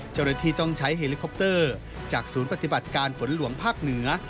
เจ้าหน้าที่ต้องใช้เฮลิคอปเตอร์จากศูนย์ปฏิบัติการฝนหลวงภาคเหนือ